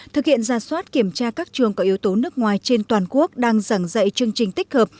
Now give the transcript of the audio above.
thực hiện ra soát kiểm tra các trường có yếu tố nước ngoài trên toàn quốc đang giảng dạy chương trình tích hợp